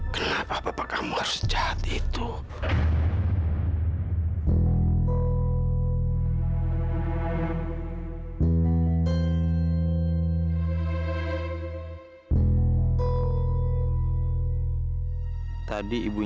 kenapa bapak kamu harus jahat itu